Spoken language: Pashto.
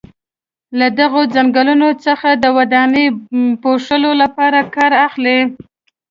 له دغو څنګلونو څخه د ودانیو پوښلو لپاره کار اخلي.